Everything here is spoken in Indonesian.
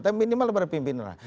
tapi minimal pada pimpinan lah